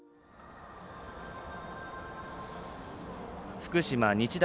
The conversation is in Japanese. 福島、日大